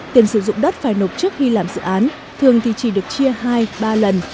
tiền sử dụng đất phải nộp trước khi làm dự án thường thì chỉ được chia hai ba lần